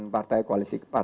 partai koalisi kekeluargaan